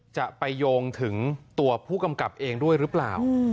จะไปโยงถึงตัวผู้กำกับเองด้วยหรือเปล่า